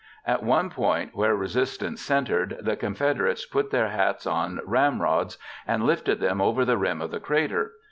At one point where resistance centered, the Confederates put their hats on ramrods and lifted them over the rim of the crater.